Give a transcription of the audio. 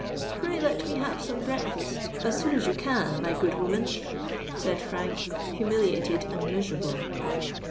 "Pray let me have some breakfast us soon as you can, my good woman," said Frank, humiliated and miserable.